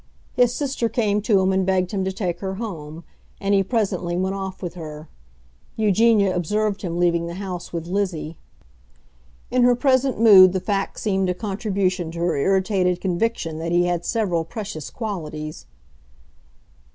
His sister came to him and begged him to take her home, and he presently went off with her. Eugenia observed him leaving the house with Lizzie; in her present mood the fact seemed a contribution to her irritated conviction that he had several precious qualities.